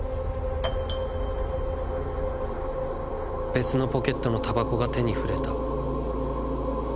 「別のポケットの煙草が手に触れた。